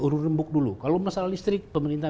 urut urut mbok dulu kalau masalah listrik pemerintah